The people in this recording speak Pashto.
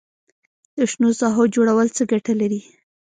د شنو ساحو جوړول څه ګټه لري؟